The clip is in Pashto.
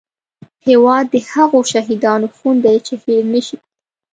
هیواد د هغو شهیدانو خون دی چې هېر نه شي